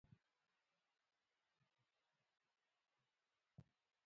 آمو سیند د افغانستان د ولایاتو په کچه توپیر لري.